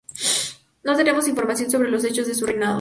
No tenemos información sobre los hechos de su reinado.